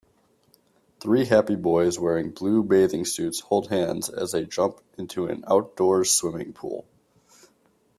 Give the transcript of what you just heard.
Three happy boys wearing blue bathing suits hold hands as they jump into an outdoors swimming pool